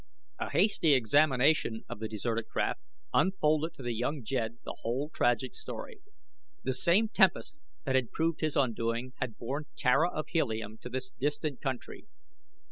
A hasty examination of the deserted craft unfolded to the young jed the whole tragic story. The same tempest that had proved his undoing had borne Tara of Helium to this distant country.